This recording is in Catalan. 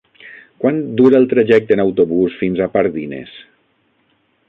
Quant dura el trajecte en autobús fins a Pardines?